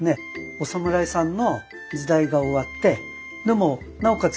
お侍さんの時代が終わってでもなおかつ